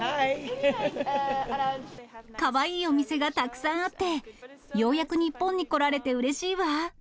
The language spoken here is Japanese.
かわいいお店がたくさんあって、ようやく日本に来られてうれしいわ。